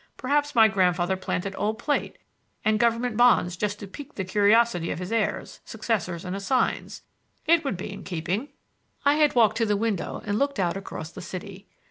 Perhaps my grandfather planted old plate and government bonds just to pique the curiosity of his heirs, successors and assigns. It would be in keeping!" I had walked to the window and looked out across the city.